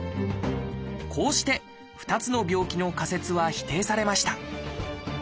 こうして２つの病気の仮説は否定されました。